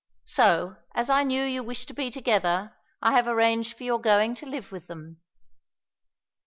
So, as I knew you wished to be together, I have arranged for your going to live with them."